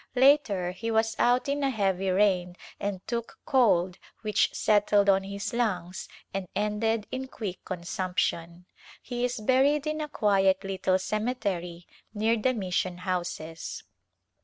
Later he was out in a heavy rain and took cold which settled on his lungs and ended in quick consumption. He is buried in a quiet little cemetery near the mission houses.